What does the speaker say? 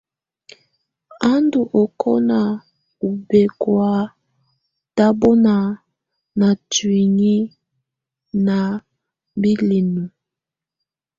A ndù ɔkɔna ù bɛkɔ̀á tabɔna na tuinyii na bilǝŋu.